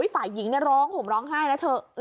ฝ่ายหญิงร้องห่มร้องไห้นะเถอะ